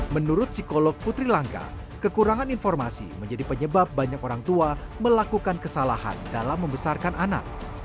menurut psikolog putri langga kekurangan informasi menjadi penyebab banyak orang tua melakukan kesalahan dalam membesarkan anak